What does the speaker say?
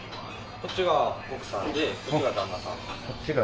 こっちが奥さんで、こっちが旦那さん。